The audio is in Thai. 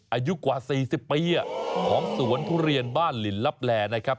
อายุกว่า๔๐ปีของสวนทุเรียนบ้านหลินลับแลนะครับ